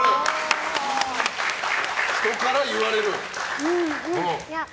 人から言われる？